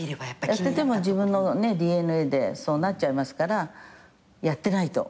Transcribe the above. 自分のＤＮＡでそうなっちゃいますからやってないと。